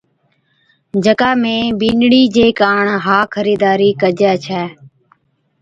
جڪا ۾ بِينَڏڙِي چي ڪاڻ ھا خريداري ڪجي ڇَي،